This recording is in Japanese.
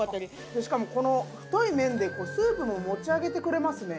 しかもこの太い麺でスープも持ち上げてくれますね。